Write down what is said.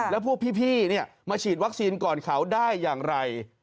แล้วพวกพี่มาฉีดวัคซีนก่อนเขาได้อย่างไร